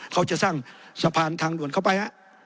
เขาจะสร้างสะพานทางด่วนเข้าไปฮะ